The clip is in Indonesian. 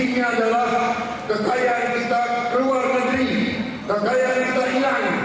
intinya adalah kekayaan kita di luar negeri kekayaan yang kita inginkan